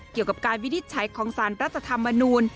เกี่ยวกับการวินิจฉัยของสารรัฐธรรมนูล